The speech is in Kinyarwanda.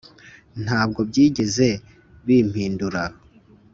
ntabwo byigeze bimpindura,